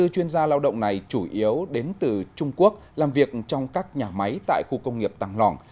bảy mươi bốn chuyên gia lao động này chủ yếu đến từ trung quốc làm việc trong các nhà máy tại khu công nghiệp tàng lòng